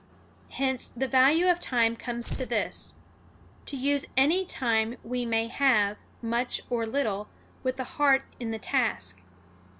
Hence, the value of time comes to this: to use any time we may have, much or little, with the heart in the task.